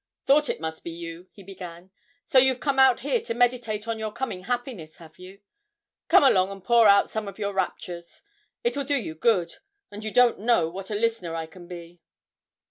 'Thought it must be you,' he began; 'so you've come out here to meditate on your coming happiness, have you? Come along and pour out some of your raptures, it will do you good; and you don't know what a listener I can be.'